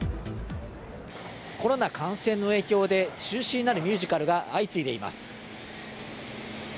コロナ感染の影響で、中止になるミュージカルが相次いでいます。